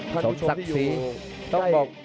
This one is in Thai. ท่านผู้ชมที่อยู่